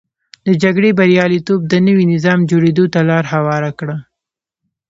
د جګړې بریالیتوب د نوي نظام جوړېدو ته لار هواره کړه.